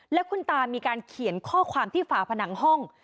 แล้วคุณตามีการเขียนข้อความที่ฝาผนังห้อง